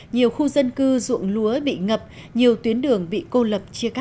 nhiều khu dân cư ruộng lúa bị ngập nhiều tuyến đường bị cô lập chia cắt